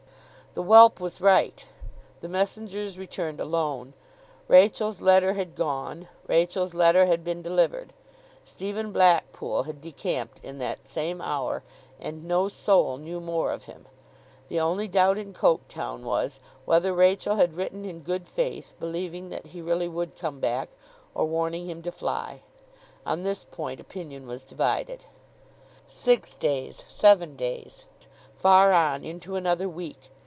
The whelp was right. The messengers returned alone. Rachael's letter had gone, Rachael's letter had been delivered. Stephen Blackpool had decamped in that same hour; and no soul knew more of him. The only doubt in Coketown was, whether Rachael had written in good faith, believing that he really would come back, or warning him to fly. On this point opinion was divided. Six days, seven days, far on into another week.